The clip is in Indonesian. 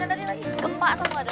jadah ini gue anak aja lu